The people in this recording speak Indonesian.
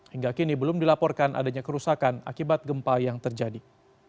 hingga kini belum dilaporkan adanya kerusakan akibat gempa yang terjadi